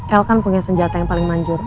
el kan punya senjata yang paling manjur